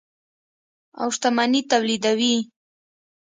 او شتمني تولیدوي.